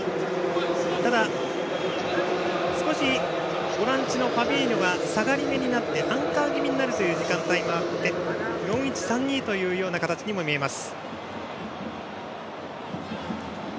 ただ、少しボランチのファビーニョが下がりめになってアンカー気味になる時間帯もあり４−１−３−２という形にも見えます。